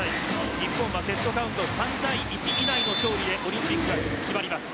日本はセットカウント３−１以内の勝利でオリンピックが決まります。